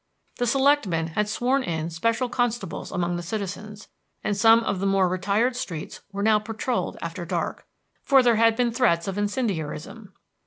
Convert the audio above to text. The selectmen had sworn in special constables among the citizens, and some of the more retired streets were now patrolled after dark, for there had been threats of incendiarism.